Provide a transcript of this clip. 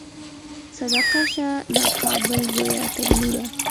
صدقه شه ناقابل زویه تر لوره